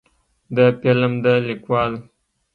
د فلم د لیکوال